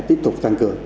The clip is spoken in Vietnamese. tiếp tục tăng cường